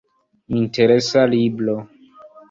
Interesa libro.